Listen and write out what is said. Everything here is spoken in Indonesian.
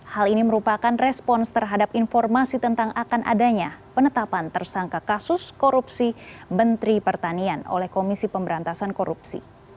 hal ini merupakan respons terhadap informasi tentang akan adanya penetapan tersangka kasus korupsi menteri pertanian oleh komisi pemberantasan korupsi